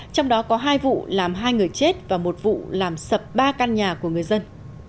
trong đó có hai vụ làm hai người chết và một vụ làm sập ba căn nhà của người dân